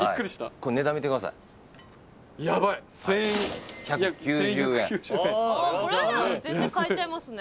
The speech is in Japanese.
これなら全然買えちゃえますね